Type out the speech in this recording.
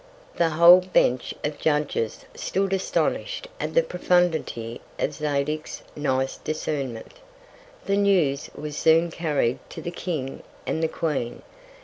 The whole Bench of Judges stood astonish'd at the Profundity of Zadig's nice Discernment. The News was soon carried to the King and the Queen.